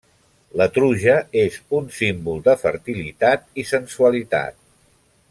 La truja és un símbol de fertilitat i sensualitat.